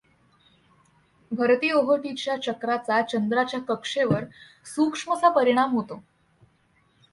भरती ओहोटीच्या चक्राचा चंद्राच्या कक्षेवर सूक्ष्मसा परीणाम होतो.